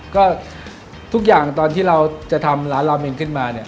ก็ทุกอย่างตอนที่เราจะทำร้านราเมนขึ้นมาเนี่ย